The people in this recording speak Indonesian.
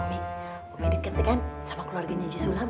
umi umi deket kan sama keluarganya haji sulam